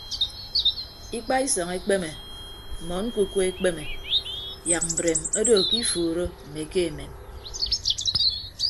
Ikpaisọñ ekpeme mmọn ñkuku ekpeme yak mbreem odo ke ifuuro mme ke emem.